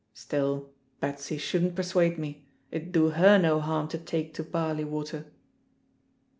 Still, Betsy shouldn't persuade me; it'd do her no hann to take to barley water."